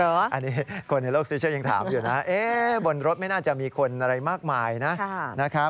อันนี้คนในโลกโซเชียลยังถามอยู่นะบนรถไม่น่าจะมีคนอะไรมากมายนะ